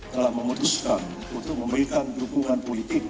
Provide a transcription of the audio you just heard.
telah memutuskan untuk memberikan dukungan politik